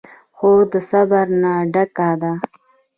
خور د صبر نه ډکه ده.